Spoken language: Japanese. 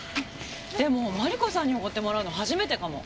でもマリコさんにおごってもらうの初めてかも。